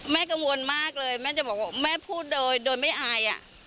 กังวลมากเลยแม่จะบอกว่าแม่พูดโดยไม่อาย